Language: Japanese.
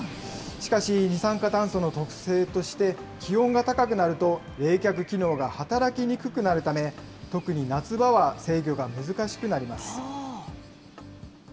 しかし、二酸化炭素の特性として、気温が高くなると、冷却機能が働きにくくなるため、特に夏場は制御が難しくなります。